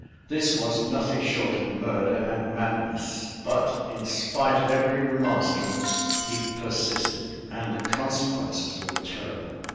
This was nothing short of murder and madness: but in spite of every remonstrance, he persisted, and the consequences were terrible.